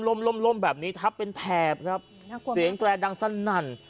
ล้มล้มล้มแบบนี้ครับเป็นแถบครับน่ากลัวไหมเสียงแกรดังสั้นนั่น